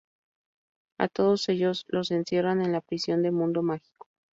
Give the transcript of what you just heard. A todos ellos los encierran en la prisión de mundo Mágico.